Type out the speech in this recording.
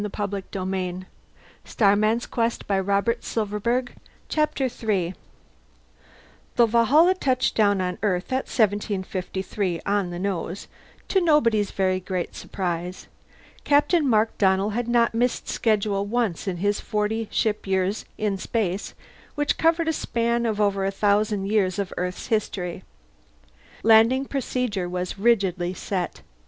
"I suppose so," Alan returned dully. He was frowning. Chapter Three The Valhalla touched down on Earth at 1753 on the nose, to nobody's very great surprise. Captain Mark Donnell had not missed schedule once in his forty ship years in space, which covered a span of over a thousand years of Earth's history. Landing procedure was rigidly set.